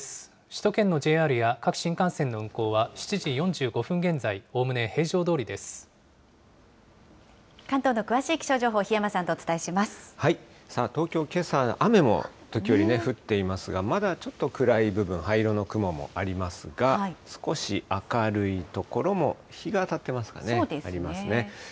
首都圏のＪＲや各新幹線の運行は、７時４５分現在、関東の詳しい気象情報、さあ、東京、けさ雨も時折降っていますが、まだちょっと暗い部分、灰色の雲もありますが、少し明るい所も、日が当たってますかね、ありますね。